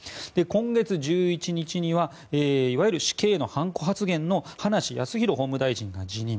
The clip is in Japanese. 今月１１日にはいわゆる死刑判子発言の葉梨康弘法務大臣が辞任。